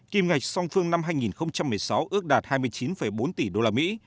kim ngạch song phương năm hai nghìn một mươi sáu ước đạt hai mươi chín bốn tỷ usd